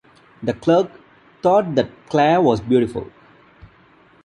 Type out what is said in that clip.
The clerk thought that Claire was beautiful.